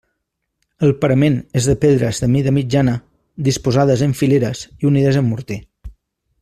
El parament és de pedres de mida mitjana, disposades en fileres i unides amb morter.